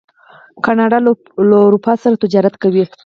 کاناډا له اروپا سره تجارت کوي.